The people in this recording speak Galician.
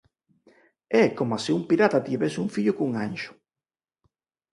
É coma se un pirata tivese un fillo cun anxo.